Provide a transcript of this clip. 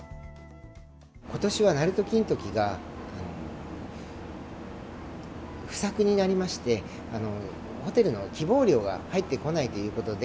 ことしはなると金時が不作になりまして、ホテルの希望量が入ってこないということで。